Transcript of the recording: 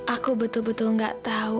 aku betul betul gak tahu